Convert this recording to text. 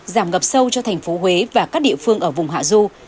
giảm ngập sâu cho thành phố huế và các địa phương ở vùng hạ du